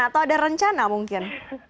atau ada rencana mungkin